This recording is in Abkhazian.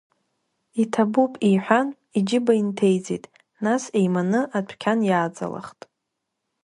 Иҭабуп, — иҳәан, иџьыба инҭеиҵеит, нас еиманы адәқьан иааҵалахт.